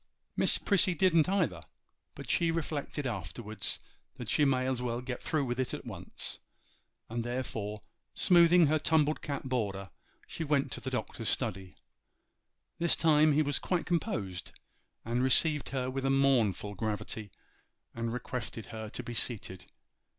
Miss Prissy didn't either; but she reflected afterwards that she might as well get through with it at once, and therefore, smoothing her tumbled cap border, she went to the Doctor's study. This time he was quite composed, and received her with a mournful gravity, and requested her to be seated.